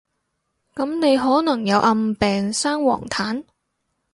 噉你可能有暗病生黃疸？